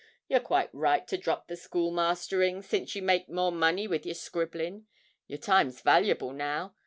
You're quite right to drop the schoolmastering, since you make more money with your scribbling. Your time's valuable now.